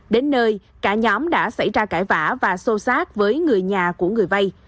đến nơi cả nhóm đã xảy ra cãi vã và xô xát với người nhà của người vay